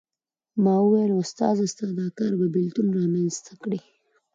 ما وویل استاده ستا دا کار به بېلتون رامېنځته کړي.